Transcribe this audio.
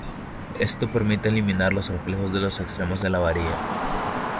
Esto permite eliminar los reflejos de los extremos de la varilla.